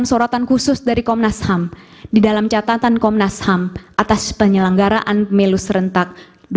sorotan khusus dari komnas ham di dalam catatan komnas ham atas penyelenggaraan pemilu serentak dua ribu sembilan belas